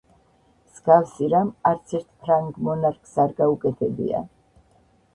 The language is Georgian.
მსგავსი რამ არცერთ ფრანგ მონარქს არ გაუკეთებია.